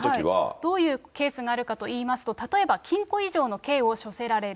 どういうケースがあるかといいますと、例えば禁錮以上の刑を処せられる。